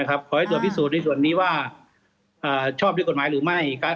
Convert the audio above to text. ขอให้ตรวจพิสูจน์ในส่วนนี้ว่าชอบด้วยกฎหมายหรือไม่